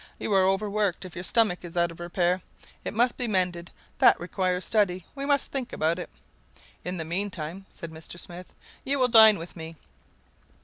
You are over worked. If your stomach is out of repair, it must be mended. That requires study. We must think about it." "In the meantime," said Mr. Smith, "you will dine with me."